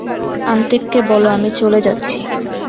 আন্তেককে বলো আমি চলে যাচ্ছি।